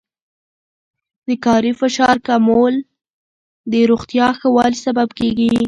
د کاري فشار کمول د روغتیا ښه والي سبب کېږي.